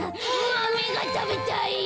マメがたべたい。